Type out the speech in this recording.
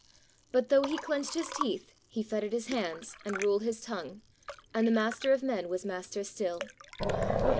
But though he clenched his teeth, he fettered his hands, and ruled his tongue, and the Master of men was master still.